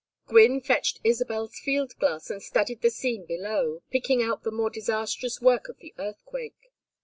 Gwynne fetched Isabel's field glass and studied the scene below, picking out the more disastrous work of the earthquake.